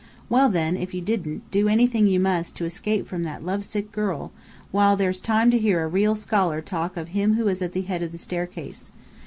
Well, then, if you didn't, do anything you must to escape from that lovesick girl, while there's time to hear a real scholar talk of 'Him who is at the Head of the Staircase!'